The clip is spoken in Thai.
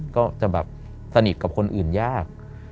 ก็จะแบบสนิทกับคนอื่นยาก